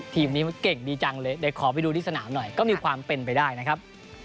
ทีมนี้มันเก่งดีจังเลยเดี๋ยวขอไปดูที่สนามหน่อยก็มีความเป็นไปได้นะครับ